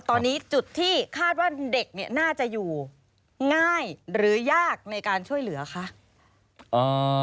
ตอนนี้จุดที่คาดว่าเด็กเนี่ยน่าจะอยู่ง่ายหรือยากในการช่วยเหลือคะ